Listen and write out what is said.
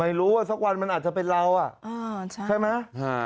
ไม่รู้ว่าสักวันมันอาจจะเป็นเราอ่ะใช่ไหม